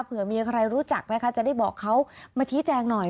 เผื่อมีใครรู้จักนะคะจะได้บอกเขามาชี้แจงหน่อย